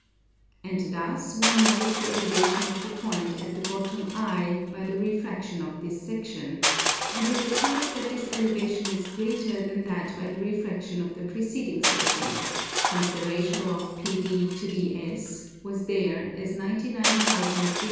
And thus one knows the elevation of the point at the bottom I by the refraction of this section; and it appears that this elevation is greater than that by the refraction of the preceding section, since the ratio of PD to DS was there as 99,324 to 70,283.